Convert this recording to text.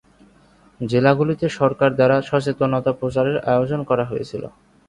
জেলাগুলিতে সরকার দ্বারা সচেতনতা প্রচারের আয়োজন করা হয়েছিল।